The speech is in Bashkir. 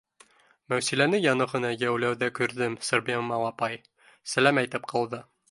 — Мәүсиләне яңы ғына йәйләүҙә күрҙем, Сәрбиямал апай, сәләм әйтеп ҡалды